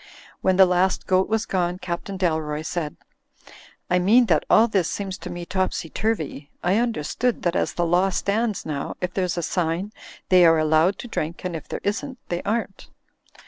When the last goat was gone, Captain Dalroy said: "I mean that all this seems to me topsy turvy. I un derstood that as the law stands now, if there's a sign they are allowed to drink and if there isn't they aren't."